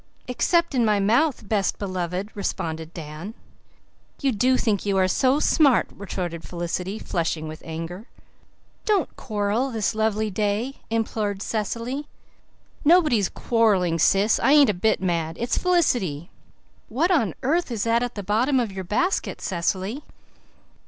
"Except in my mouth, best beloved," responded Dan. "You do think you are so smart," retorted Felicity, flushing with anger. "Don't quarrel this lovely day," implored Cecily. "Nobody's quarrelling, Sis. I ain't a bit mad. It's Felicity. What on earth is that at the bottom of your basket, Cecily?"